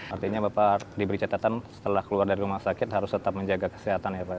artinya bapak diberi catatan setelah keluar dari rumah sakit harus tetap menjaga kesehatan ya pak